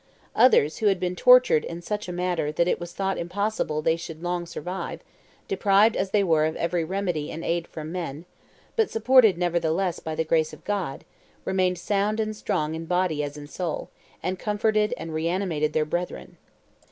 Others, who had been tortured in such a manner that it was thought impossible they should long survive, deprived as they were of every remedy and aid from men, but supported nevertheless by the grace of God, remained sound and strong in body as in soul, and comforted and reanimated their brethren.